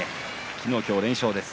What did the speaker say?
昨日、今日連勝です。